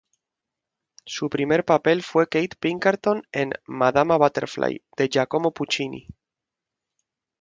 Su primer papel fue Kate Pinkerton en "Madama Butterfly" de Giacomo Puccini.